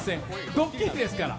ドッキリですから。